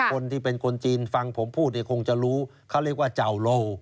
คนที่เป็นคนจีนฟังผมพูดเนี่ยคงจะรู้เขาเรียกว่าเจ้าโล